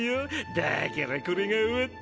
だからこれが終わったら。